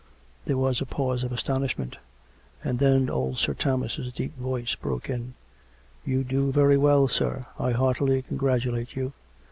There was a pause of astonishment. And then old Sir Thomas' deep voice broke in. " You do very well, sir. I heartily congratulate you.